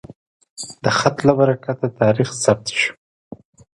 د خط له برکته تاریخ ثبت شو.